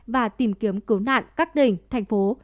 và tìm kiếm cứu nạn các đỉnh thành phố